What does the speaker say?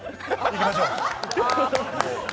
行きましょう。